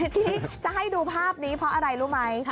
ที่จะให้ดูภาพนี้เพราะอะไรรู้ไหม